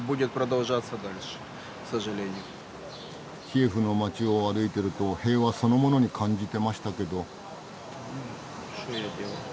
キエフの街を歩いてると平和そのものに感じてましたけど。